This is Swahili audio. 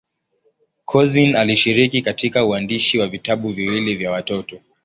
Couzyn alishiriki katika uandishi wa vitabu viwili vya watoto.